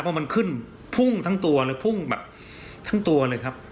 เพราะมันขึ้นพุ่งทั้งตัวเลยพุ่งแบบทั้งตัวเลยครับ